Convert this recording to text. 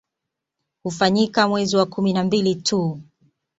Hufanyika mwezi wa kumi na mbili tu